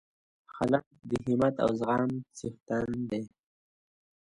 هلک د همت او زغم څښتن دی.